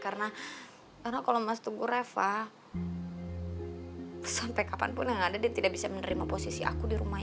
karena karena kalau masih tunggu reva sampai kapanpun ada dia tidak bisa menerima posisi aku di rumah